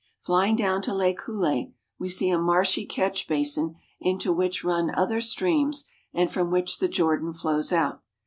Flying down to Lake Huleh, we see a marshy catch basin into which run other streams and from which the Jordan flows out.